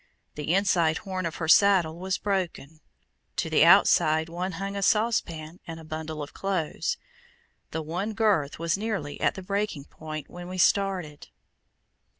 The inside horn of her saddle was broken; to the outside one hung a saucepan and a bundle of clothes. The one girth was nearly at the breaking point when we started.